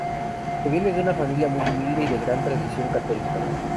Proviene de una familia muy humilde y de gran tradición católica.